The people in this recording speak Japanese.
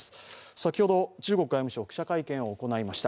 先ほど、中国外務省は記者会見を行いました。